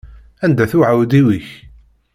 Anda-t uɛewdiw-ik?